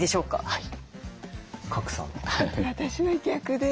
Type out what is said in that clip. はい。